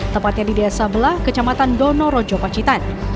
tepatnya di desa belah kecamatan donorojo pacitan